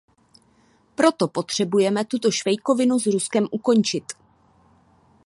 Proto potřebujeme tuto švejkovinu s Ruskem ukončit.